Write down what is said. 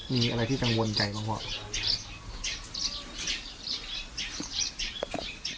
มีอะไรที่กังวลใจบ้างพ่อ